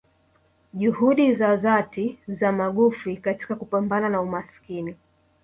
Juhudi za dhati za magufi katika kupambana na umasikini